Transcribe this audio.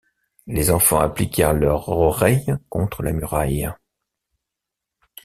Les enfants appliquèrent leur oreille contre la muraille.